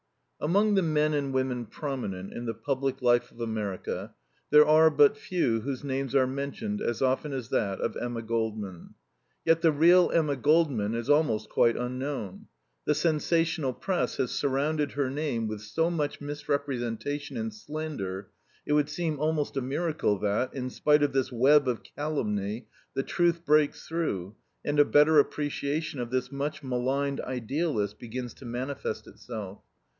Among the men and women prominent in the public life of America there are but few whose names are mentioned as often as that of Emma Goldman. Yet the real Emma Goldman is almost quite unknown. The sensational press has surrounded her name with so much misrepresentation and slander, it would seem almost a miracle that, in spite of this web of calumny, the truth breaks through and a better appreciation of this much maligned idealist begins to manifest itself.